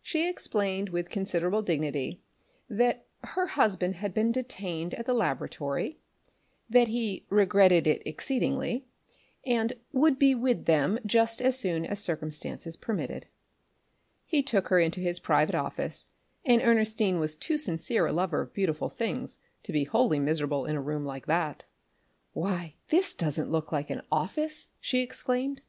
She explained with considerable dignity that her husband had been detained at the laboratory, that he regretted it exceedingly, but would be with them just as soon as circumstances permitted. He took her into his private office, and Ernestine was too sincere a lover of beautiful things to be wholly miserable in a room like that. "Why, this doesn't look like an office," she exclaimed.